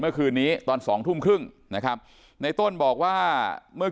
เมื่อคืนนี้ตอนสองทุ่มครึ่งนะครับในต้นบอกว่าเมื่อ